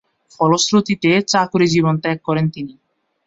ফলশ্রুতিতে চাকুরী জীবন ত্যাগ করেন তিনি।